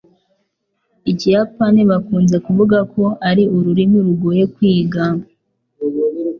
Ikiyapani bakunze kuvuga ko ari ururimi rugoye kwiga.